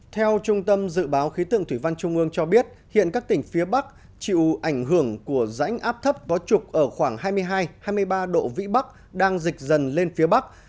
theo trung tâm dự báo khí tượng thủy văn trung ương cho biết hiện các tỉnh phía bắc chịu ảnh hưởng của rãnh áp thấp có trục ở khoảng hai mươi hai hai mươi ba độ vĩ bắc đang dịch dần lên phía bắc